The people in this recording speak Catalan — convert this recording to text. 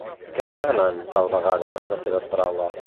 Què revelen, tal vegada, les seves paraules?